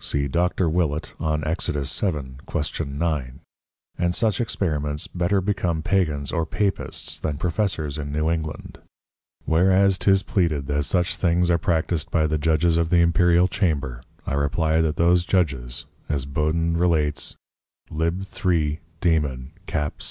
See Dr. Willet on Exod. 7. Quest. 9. And such Experiments better become Pagans or Papists than Professors in New England; whereas 'tis pleaded, that such things are practised by the Judges of the Imperial Chamber, I reply, that those Judges (as Bodin relates, _Lib. 3. Dæmon. Cap.